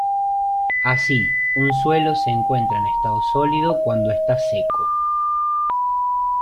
Así, un suelo se encuentra en estado sólido cuando está seco.